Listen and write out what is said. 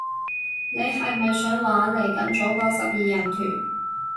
你係咪想玩，嚟緊組個十二人團